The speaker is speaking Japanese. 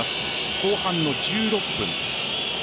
後半の１６分。